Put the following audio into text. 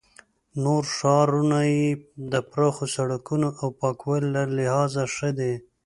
نور ښارونه یې د پراخو سړکونو او پاکوالي له لحاظه ښه دي.